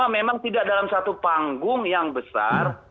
memang tidak dalam satu panggung yang besar